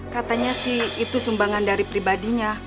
katanya sih itu sumbangan dari pribadinya